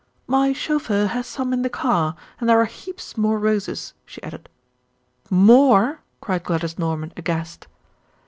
"My chauffeur has some in the car, and there are heaps more roses," she added. "More?" cried Gladys Norman aghast.